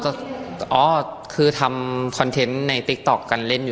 นางหนุ่มมองข้างหลังอีกแล้วเนี่ย